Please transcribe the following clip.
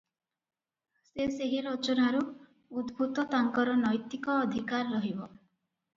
ସେ ସେହି ରଚନାରୁ ଉଦ୍ଭୁତ ତାଙ୍କର ନୈତିକ ଅଧିକାର ରହିବ ।